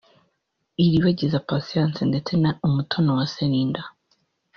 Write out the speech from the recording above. Iribagiza Patience ndetse na Umutoniwase Linda